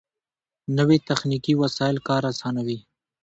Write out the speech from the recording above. نوې تخنیکي وسایل کار آسانوي